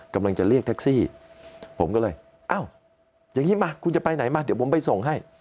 กำลังจะเรียกแท็กซี่ผมก็เลยอ้าวอย่างนี้มาคุณจะไปไหนมาเดี๋ยวผมไปส่งให้